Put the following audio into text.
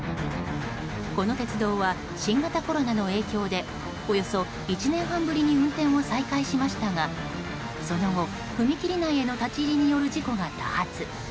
この鉄道は新型コロナの影響でおよそ１年半ぶりに運転を再開しましたがその後、踏切内に立ち入って起こる事故が多発。